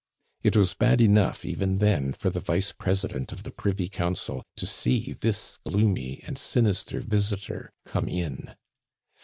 It was bad enough even then for the Vice President of the Privy Council to see this gloomy and sinister visitor come in.